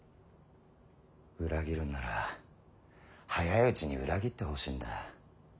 裏切るんなら早いうちに裏切ってほしいんだ。